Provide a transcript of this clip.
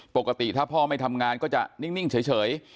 ปกติถ้าพ่อไม่ทำงานก็จะนิ่งเฉย